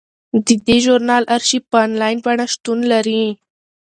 د دې ژورنال ارشیف په انلاین بڼه شتون لري.